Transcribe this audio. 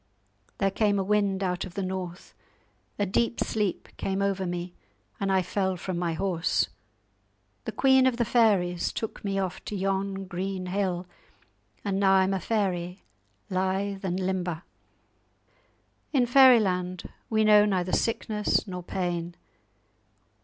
There came a wind out of the north, a deep sleep came over me, and I fell from my horse. The queen of the fairies took me off to yon green hill, and now I'm a fairy, lithe and limber. In Fairyland we know neither sickness nor pain.